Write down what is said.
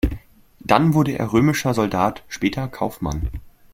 Dann wurde er römischer Soldat, später Kaufmann.